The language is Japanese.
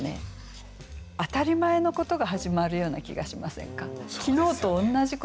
当たり前のことが始まるような気がしませんか？